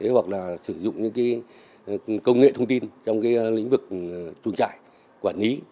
hoặc sử dụng công nghệ thông tin trong lĩnh vực tuần trại quản lý